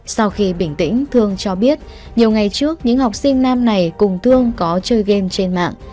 sau khi bình tĩnh thương cho biết nhiều ngày trước những học sinh nam này cùng thương có chơi game trên mạng